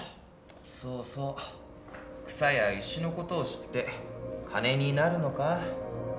そうそう草や石のことを知って金になるのか？